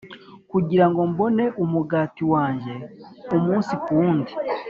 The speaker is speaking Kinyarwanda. kugira ngo mbone umugati wanjye umunsi ku wundi;